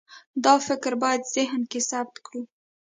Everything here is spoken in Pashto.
دا فکر باید ذهن کې ثبت کړو.